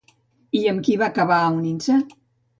I amb qui va acabar unint-se?